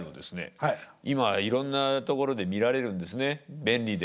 今いろんなところで見られるんですね便利で。